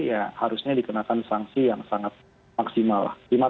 ya harusnya dikenakan sanksi yang sangat maksimal